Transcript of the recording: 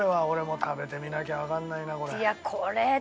俺も食べてみなきゃわかんないなこれ。